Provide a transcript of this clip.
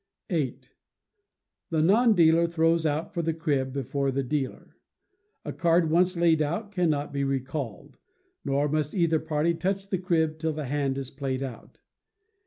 viii. The non dealer throws out for the crib before the dealer. A card once laid out cannot be recalled, nor must either party touch the crib till the hand is played out.